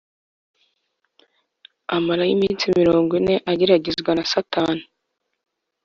amarayo iminsi mirongo ine ageragezwa na Satani